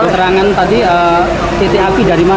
keterangan tadi titik api dari mana